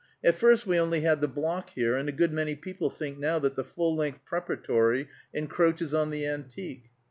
At first we only had the block here, and a good many people think now that the full length Preparatory encroaches on the Antique.